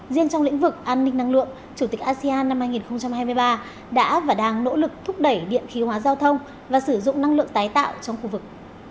riêng trong lĩnh vực an ninh năng lượng chủ tịch asean năm hai nghìn hai mươi ba đã và đang nỗ lực thúc đẩy điện khí hóa giao thông và sử dụng năng lượng tái tạo trong khu vực